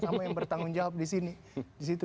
kamu yang bertanggung jawab disini disitu